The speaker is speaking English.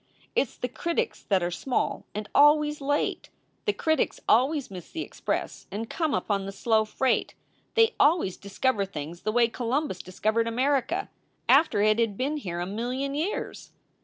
"It s the critics that are small and always late. The critics always miss the express and come up on the slow freight. They always discover things the way Columbus discovered America, after it had been here a million years.